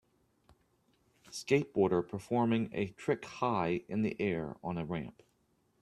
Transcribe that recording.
Skateboarder performing a trick high in the air on a ramp.